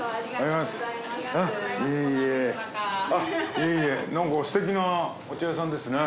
いえいえなんかすてきなお茶屋さんですね。